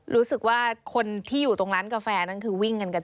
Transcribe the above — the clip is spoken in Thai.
รู้สึกว่าคนที่อยู่ตรงร้านกาแฟนั่นคือวิ่งกันกัน